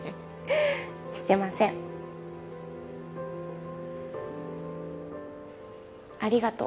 してませんありがとう